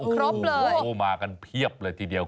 ครบเลยโอ้โหมากันเพียบเลยทีเดียว